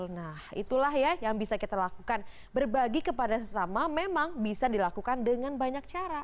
nah itulah ya yang bisa kita lakukan berbagi kepada sesama memang bisa dilakukan dengan banyak cara